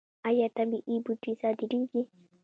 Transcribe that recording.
آیا طبیعي بوټي صادریږي؟